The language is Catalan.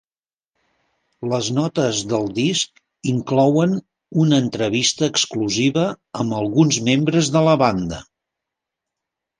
Les notes del disc inclouen una entrevista exclusiva amb alguns membres de la banda.